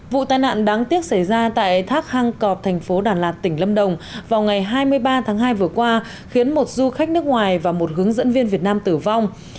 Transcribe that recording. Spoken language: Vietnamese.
vụ tai nạn đáng tiếc xảy ra tại thác hang cọp thành phố đà lạt tỉnh lâm đồng vào ngày hai mươi ba tháng hai vừa qua khiến một du khách nước ngoài và một hướng dẫn viên việt nam tử vong